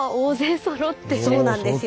そうなんですよ。